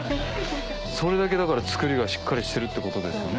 それだけ造りがしっかりしてるってことですよね。